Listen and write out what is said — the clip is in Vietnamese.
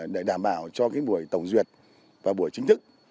để đảm bảo cho buổi tổng duyệt và buổi chính thức